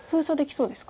そうですね。